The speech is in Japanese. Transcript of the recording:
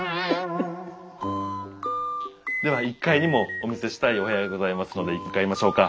では１階にもお見せしたいお部屋がございますので向かいましょうか。